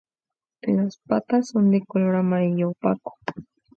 Las patas son de color amarillo opaco.